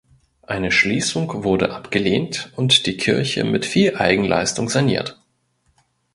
Eine Schließung wurde abgelehnt und die Kirche mit viel Eigenleistung saniert.